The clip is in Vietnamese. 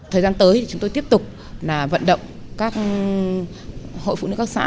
thời gian tới thì chúng tôi tiếp tục vận động các hội phụ nữ các xã